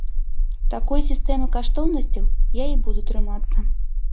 Такой сістэмы каштоўнасцяў я і буду трымацца.